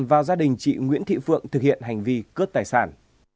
và gia đình chị nguyễn thị phượng thực hiện hành vi cướp tài sản